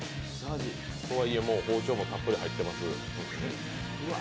とはいえ、包丁もたっぷり入っています。